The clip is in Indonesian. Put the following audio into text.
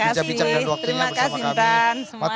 bincang bincang dan waktunya bersama kami